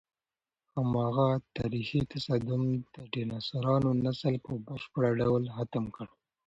هماغه تاریخي تصادم د ډیناسورانو نسل په بشپړ ډول ختم کړ.